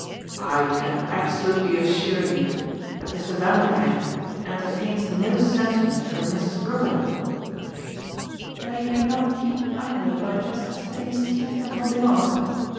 "I can absolutely assure you that Mr. Vanderbank entertains no sentiment for Mrs. Brookenham !" "That he may not keep under by just setting his teeth and holding on?